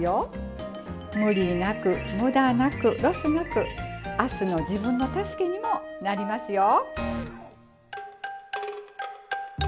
ムリなくムダなくロスなく明日の自分の助けにもなりますよ！